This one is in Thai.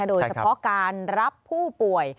โดยเฉพาะการรับผู้ป่วย